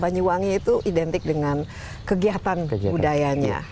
banyuwangi itu identik dengan kegiatan budayanya